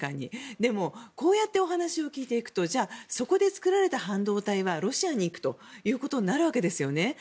でも、こうやってお話を聞いていくとじゃあそこで作られた半導体はロシアに行くということになるわけですよね。